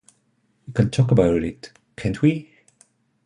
We can talk about it, can't we?